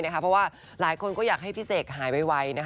เพราะว่าหลายคนก็อยากให้พี่เสกหายไว